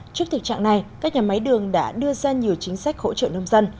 trước thực trạng này các nhà máy đường đã đưa ra nhiều chính sách hỗ trợ nông dân